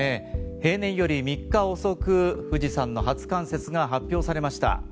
平年より３日遅く富士山の初冠雪が発表されました。